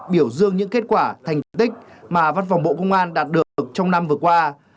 biểu dương những kết quả thành tích mà văn phòng bộ công an đạt được trong năm vừa qua